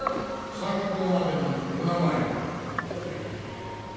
参考までにお名前を。